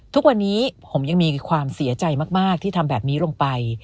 ทุกวันนี้ผมยังมีความเสียใจมากที่ทำแบบนี้ลงไป